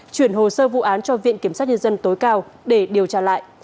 chuyển hồ sơ vụ án cho viện kiểm sát nhân dân tối cao để điều tra lại